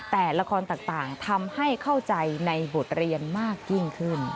แต่ละครต่างทำให้เข้าใจในบทเรียนมากยิ่งขึ้น